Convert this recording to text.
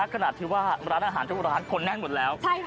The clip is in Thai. ขนาดที่ว่าร้านอาหารทุกร้านคนแน่นหมดแล้ว